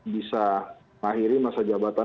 bisa mengakhiri masa jabatan